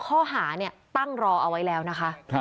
ข้อหาเนี่ยตั้งรอเอาไว้แล้วนะคะ